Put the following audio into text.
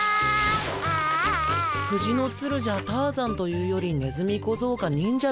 藤のツルじゃターザンというよりねずみ小僧か忍者ってとこだね。